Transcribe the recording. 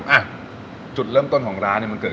ก็เลยเริ่มต้นจากเป็นคนรักเส้น